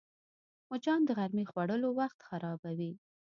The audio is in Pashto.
مچان د غرمې خوړلو وخت خرابوي